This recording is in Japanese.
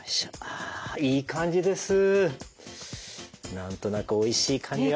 何となくおいしい感じが。